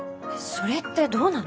それってどうなの？